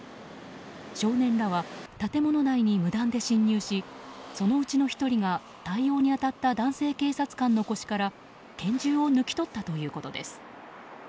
少年らは建物内に無断で侵入しそのうちの１人が対応に当たった男性警察官の腰から拳銃を抜き取ったということです。